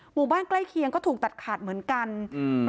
หมู่บ้านใกล้เคียงก็ถูกตัดขาดเหมือนกันอืม